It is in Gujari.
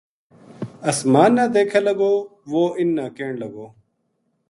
اسمان نا دیکھے لگو وہ اِنھ نا کہن لگو